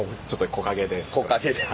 木陰で。